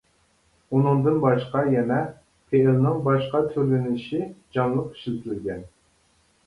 ئۇنىڭدىن باشقا يەنە پېئىلنىڭ باشقا تۈرلىنىشى جانلىق ئىشلىتىلگەن.